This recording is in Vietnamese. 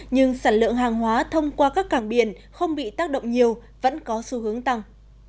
nhưng sản lượng hàng hóa thông qua các cảng biển không bị tác động nhiều vẫn có xu hướng tăng